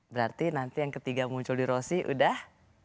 berarti nanti yang ketiga muncul di rosi udah